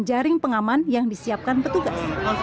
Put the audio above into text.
jaring pengaman yang disiapkan petugas